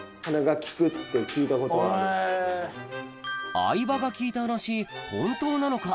相葉が聞いた話本当なのか？